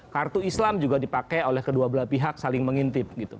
kartu islam juga dipakai oleh kedua belah pihak saling mengintip